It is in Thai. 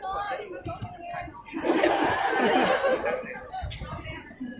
เวลาแรกพี่เห็นแวว